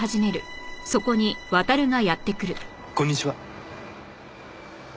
こんにちは。